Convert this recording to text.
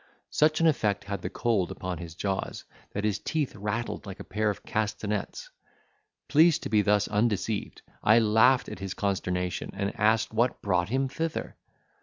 Such an effect had the cold upon his jaws, that his teeth rattled like a pair of castanets. Pleased to be thus undeceived, I laughed at his consternation, and asked what brought him thither?